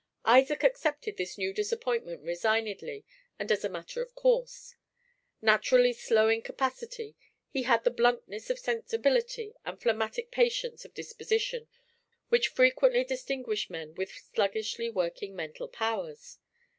Isaac accepted this new disappointment resignedly and as a matter of course. Naturally slow in capacity, he had the bluntness of sensibility and phlegmatic patience of disposition which frequently distinguish men with sluggishly working mental powers.